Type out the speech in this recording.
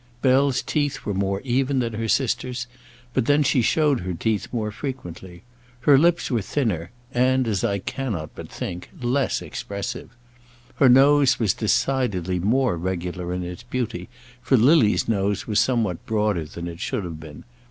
Bell's teeth were more even than her sister's; but then she showed her teeth more frequently. Her lips were thinner and, as I cannot but think, less expressive. Her nose was decidedly more regular in its beauty, for Lily's nose was somewhat broader than it should have been.